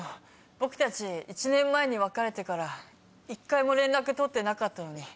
僕たち１年前に別れてから１回も連絡取ってなかったのに。